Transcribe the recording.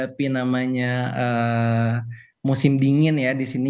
tapi namanya musim dingin ya di sini